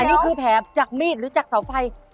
นี่คือแผลจากมีดหรือจากเสาไฟ